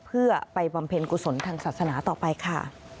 เพื่อไปบำเพ็ญกุศลทางศาสนาต่อไปค่ะ